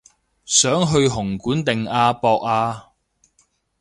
想去紅館定亞博啊